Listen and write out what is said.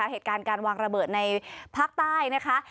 เหตุการณ์การวางระเบิดในภาคใต้นะคะ